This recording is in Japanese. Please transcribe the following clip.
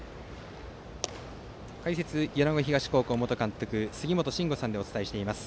解説、米子東高校元監督杉本真吾さんでお伝えしています。